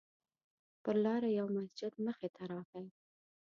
پر لاره مو یو مسجد مخې ته راغی.